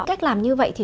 cách làm như vậy thì